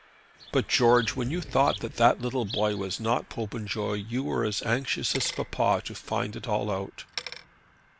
"But, George, when you thought that that little boy was not Popenjoy you were as anxious as papa to find it all out."